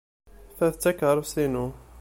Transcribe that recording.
Ta d takeṛṛust-inu.